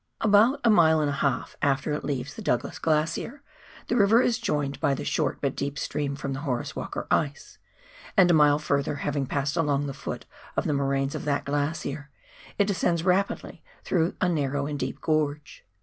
About a mile and a half after it leaves the Douglas TWAIN RIVER. 241 Glacier, the river is joined by the short, but deep stream from the Horace Walker ice, and a mile further, having passed along the foot of the moraines of that glacier, it descends rapidly through a narrow and deep gorge.